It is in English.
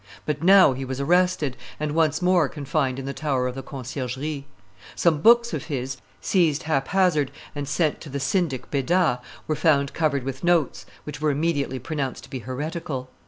But now he was arrested, and once more confined in the tower of the Conciergerie. Some books of his, seized hap hazard and sent to the syndic Beda, were found covered with notes, which were immediately pronounced to be heretical.